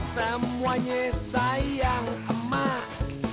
semuanya sayang emak